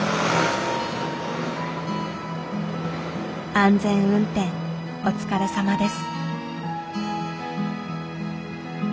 安全運転お疲れさまです。